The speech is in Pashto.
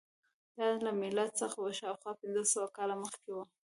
دا له میلاد څخه شاوخوا پنځه سوه کاله مخکې وه